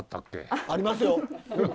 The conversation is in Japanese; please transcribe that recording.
ありますよ。